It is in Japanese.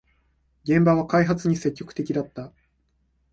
現場は開発に積極的だった